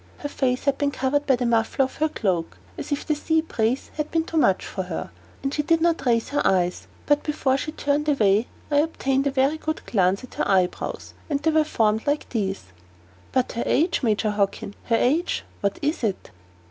Her face had been covered by the muffler of her cloak, as if the sea breeze were too much for her; and she did not even raise her eyes. But before she turned away, I obtained a good glance at her eyebrows and they were formed like these." "But her age, Major Hockin! Her age what is it?"